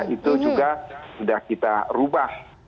itu juga sudah kita rubah